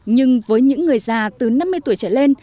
nhưng với những người già từ năm mươi tuổi trở lên